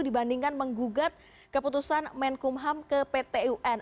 dibandingkan menggugat keputusan menkumham ke pt un